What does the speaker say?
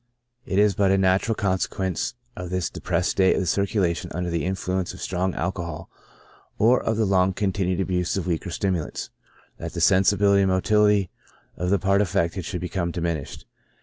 It is but a natural consequence of this depressed state of the circulation under the influence of strong alco hol or of the long continued abuse of weaker stimulants, that the sensibility and motility of the part affected should become diminished.